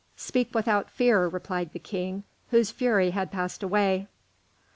"Speak without fear," replied the King, whose fury had passed away.